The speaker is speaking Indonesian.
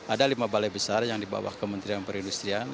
ada lima balai besar yang di bawah kementerian perindustrian